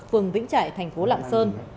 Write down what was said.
phường vĩnh trại tp lạng sơn